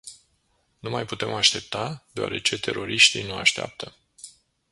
Nu mai putem aștepta, deoarece teroriștii nu așteaptă.